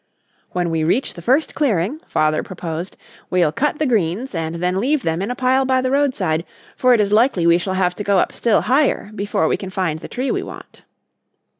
"When we reach the first clearing," Father proposed, "we'll cut the greens and then leave them in a pile by the roadside, for it is likely we shall have to go up still higher before we can find the tree we want."